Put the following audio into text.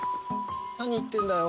何言ってるんだよ。